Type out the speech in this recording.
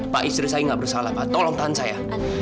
pak istri saya nggak bersalah pak tolong tahan saya